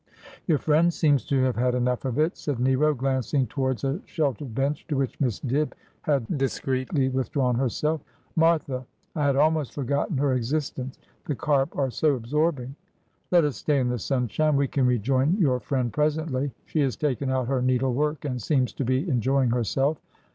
' Your friend seems to have had enough of it,' said Nero, glancing towards a sheltered bench to which Miss Dibb had discreetly withdrawn herself. ' Martha ! I had almost forgotten her existence. The carp are so absorbing.' ' Let us stay in the sunshine. We can rejoin your friend presently. She has taken out her needlework, and seems to be enjoying herself.'